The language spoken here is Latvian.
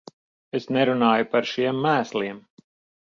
Es nerunāju par šiem mēsliem.